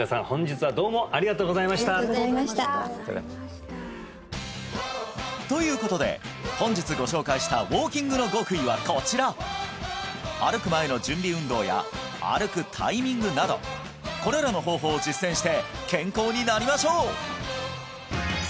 本日はどうもありがとうございましたありがとうございましたということで本日ご紹介したウォーキングの極意はこちら歩く前の準備運動や歩くタイミングなどこれらの方法を実践して健康になりましょう！